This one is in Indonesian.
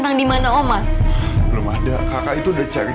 sampai jumpa lagi